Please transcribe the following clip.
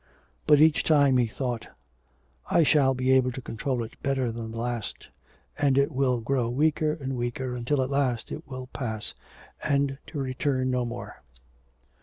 But each time he thought, 'I shall be able to control it better than the last, and it will grow weaker and weaker until at last it will pass and to return no more.'